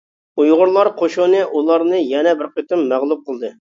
ئۇيغۇرلار قوشۇنى ئۇلارنى يەنە بىرى قېتىم مەغلۇپ قىلدى.